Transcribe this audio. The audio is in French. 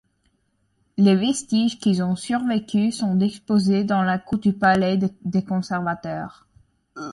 Les vestiges qui ont survécu sont disposés dans la cour du palais des Conservateurs.